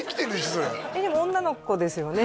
そりゃえっでも女の子ですよね？